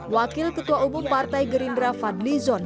wakil ketua umum partai gerindra fadlizon